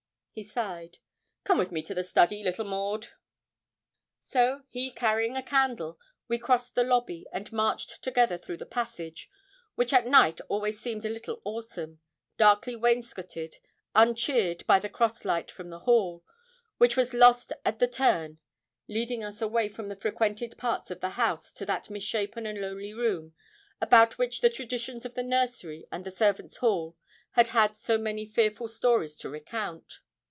He sighed. 'Come with me to the study, little Maud.' So, he carrying a candle, we crossed the lobby, and marched together through the passage, which at night always seemed a little awesome, darkly wainscoted, uncheered by the cross light from the hall, which was lost at the turn, leading us away from the frequented parts of the house to that misshapen and lonely room about which the traditions of the nursery and the servants' hall had had so many fearful stories to recount.